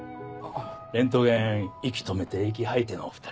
レントゲン息止めて息吐いてのお２人。